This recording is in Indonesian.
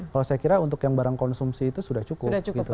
kalau saya kira untuk yang barang konsumsi itu sudah cukup